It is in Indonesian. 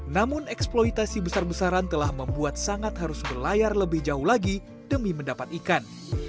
namun eksploitasi besar besaran telah membuat sangat harus berlayar lebih jauh lagi demi mendapat ikan